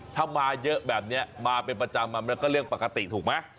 ถ้ามาเยอะแบบนี้มาเป็นประจำมันก็เรื่องปกติถูกไหม